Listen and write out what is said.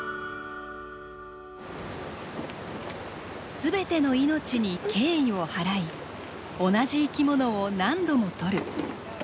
すべての命に敬意を払い同じ生きものを何度も撮る。